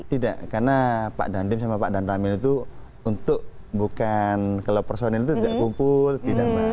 tidak karena pak dandim sama pak dandramil itu untuk bukan kalau personil itu tidak kumpul tidak